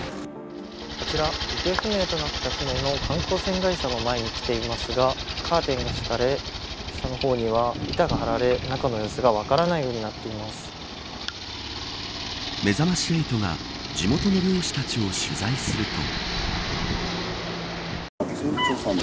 こちら行方不明となった船の観光船会社の前に来ていますがカーテンがしかれ下の方には板がはられ中の様子が分からないようにめざまし８が地元の漁師たちを取材すると。